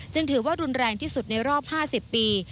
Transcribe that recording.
ถือว่ารุนแรงที่สุดในรอบ๕๐ปี